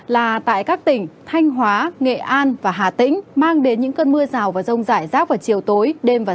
là tại các tỉnh thanh hóa nghệ an và hà tĩnh mang đến những cơn mưa rào và rông rải rác vào chiều tối